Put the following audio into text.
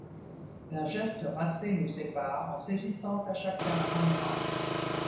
D'un geste racé nous sépare en saisissant à chacun un bras.